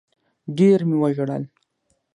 ډېر مي وژړل